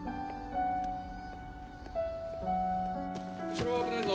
後ろ危ないぞ。